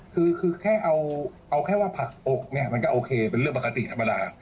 คือแค่ว่าผลักอกมันก็โอเคเป็นเรื่องปกติธรรมดา